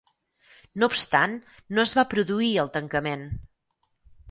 No obstant, no es va produir el tancament.